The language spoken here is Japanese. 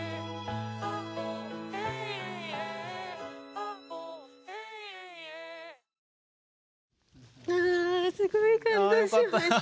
あすごい感動しました！